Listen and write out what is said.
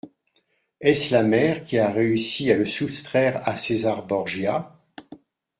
Est-ce la mère qui a réussi à le soustraire à César Borgia ?